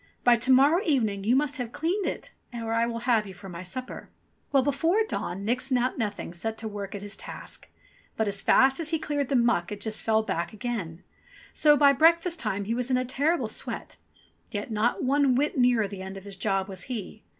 By to morrow evening you must have cleaned it, or I will have you for my supper." Well, before dawn, Nix Naught Nothing set to work at i84 ENGLISH FAIRY TALES his task ; but, as fast as he cleared the muck it just fell back again. So by breakfast time he was in a terrible sweat ; yet not one whit nearer the end of his job was he.